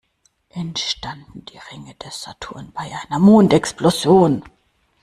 Entstanden die Ringe des Saturn bei einer Mondexplosion?